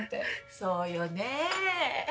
そうよね。